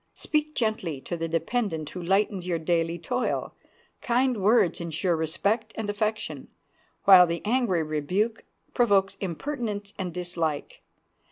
Speak gently to the dependent who lightens your daily toil; kind words insure respect and affection, while the angry rebuke provokes impertinence and dislike.